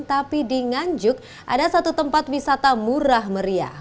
tapi di nganjuk ada satu tempat wisata murah meriah